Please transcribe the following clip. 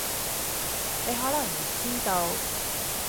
你可能唔知道